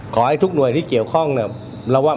ขอให้ทุกหน่วยที่เกี่ยวข้องเนี่ย